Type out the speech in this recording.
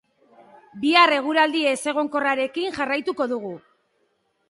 Bihar eguraldi ezegonkorrarekin jarraituko dugu.